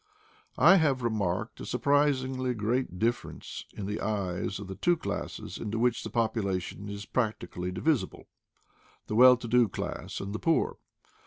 I have remarked a surprisingly great difference in the eyes of the two classes into which the population is practically divisible — the well to do class and the poor.